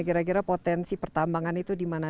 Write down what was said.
gara gara potensi pertambangan itu dimana